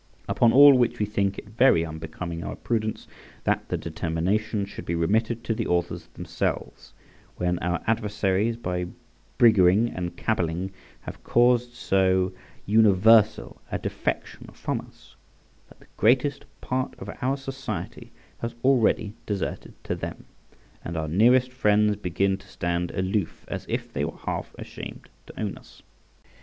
Upon all which we think it very unbecoming our prudence that the determination should be remitted to the authors themselves, when our adversaries by briguing and caballing have caused so universal a defection from us, that the greatest part of our society has already deserted to them, and our nearest friends begin to stand aloof, as if they were half ashamed to own us.